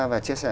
và chia sẻ